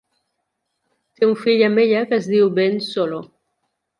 Té un fill amb ella que es diu Ben Solo.